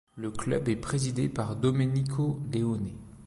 Le club est présidé par Domenico Leone.